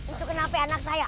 itu kenapa anak saya